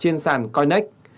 trên sàn coinex